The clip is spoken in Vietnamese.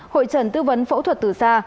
hội trần tư vấn phẫu thuật từ xa